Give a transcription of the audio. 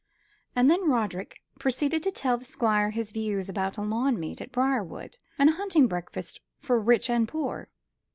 And then Roderick proceeded to tell the Squire his views about a lawn meet at Briarwood, and a hunting breakfast for rich and poor.